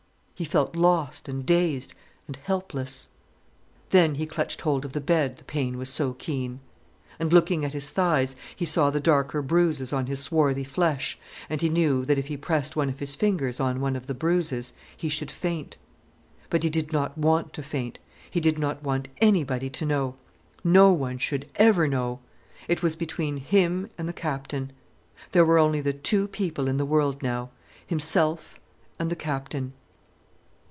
He felt lost, and dazed, and helpless. Then he clutched hold of the bed, the pain was so keen. And looking at his thighs, he saw the darker bruises on his swarthy flesh and he knew that, if he pressed one of his fingers on one of the bruises, he should faint. But he did not want to faint—he did not want anybody to know. No one should ever know. It was between him and the Captain. There were only the two people in the world now—himself and the Captain.